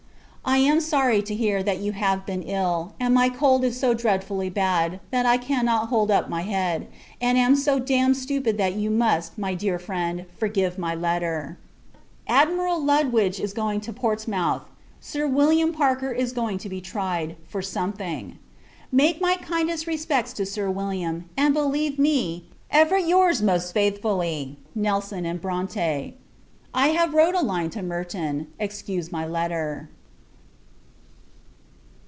I am sorry to hear, that you have been ill: and my cold is so dreadfully bad, that I cannot hold up my head; and am so damned stupid that you must, my dear friend, forgive my letter. Admiral Lutwidge is going to Portsmouth. Sir William Parker is going to be tried, for something. Make my kindest respects to Sir William; and believe me, ever, your's most faithfully, NELSON & BRONTE. I have wrote a line to Merton. Excuse my letter.